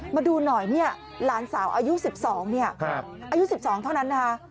มาดูหน่อยเนี่ยหลานสาวอายุ๑๒เนี่ยอายุ๑๒เท่านั้นนะคะ